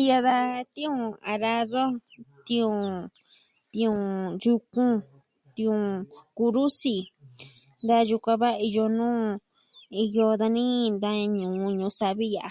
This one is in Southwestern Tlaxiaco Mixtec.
Iyo da tiuun arado, tiuun... tiuun yukun, tiuun kurusi. Da yukun a va iyo nuu iyo dani da ñuu Ñuu Savi ya'a.